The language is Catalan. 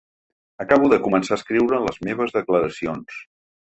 Acabo de començar a escriure les meves declaracions.